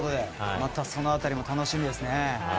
またその辺りも楽しみですね。